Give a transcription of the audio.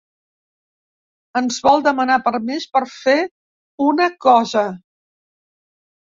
Ens vol demanar permís per fer una cosa.